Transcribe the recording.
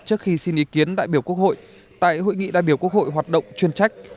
trước khi xin ý kiến đại biểu quốc hội tại hội nghị đại biểu quốc hội hoạt động chuyên trách